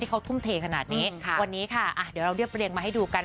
เขาทุ่มเทขนาดนี้วันนี้ค่ะเดี๋ยวเราเรียบเรียงมาให้ดูกัน